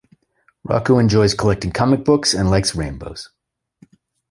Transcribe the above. Rocko enjoys collecting comic books and likes rainbows.